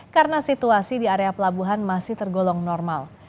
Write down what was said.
karena situasi di area pelabuhan masih tergolong normal